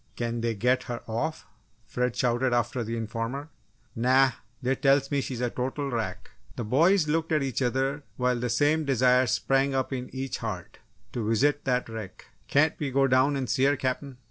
"Can they get her off?" Fred shouted after the informer. "Nah they tells me she's a total wrack!" The boys looked at each other while the same desire sprang up in each heart to visit that wreck! "Can't we go down and see her, Captain?"